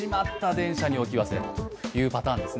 電車に置き忘れたというパターンです